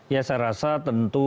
ya saya rasa tentu